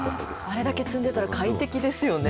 あれだけ積んでたら、快適ですよね。